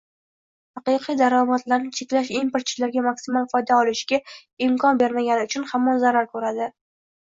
Haqiqiy daromadlarni cheklash importchilarga maksimal foyda olishiga imkon bermagani uchun hamon zarar ko'radi